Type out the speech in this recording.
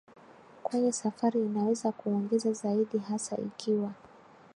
kwenye safari inaweza kuongeza zaidi hasa ikiwa